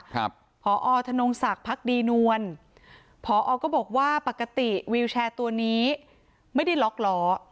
พศธนงศักดินวลพศก็บอกว่าปกติวิวแชร์ตัวนี้ไม่ได้ล็อกหล่อ